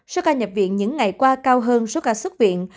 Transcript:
số ca nhập viện những ngày qua cao hơn số ca xuất viện